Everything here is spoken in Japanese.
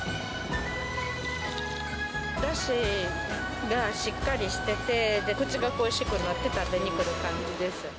だしがしっかりしてて、口が恋しくなって食べに来る感じです。